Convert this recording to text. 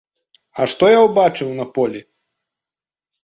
А што я ўбачыў на полі?